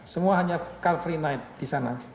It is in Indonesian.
semua hanya car free night di sana